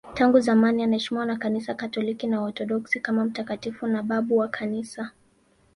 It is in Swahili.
Tangu zamani anaheshimiwa na Kanisa Katoliki na Waorthodoksi kama mtakatifu na babu wa Kanisa.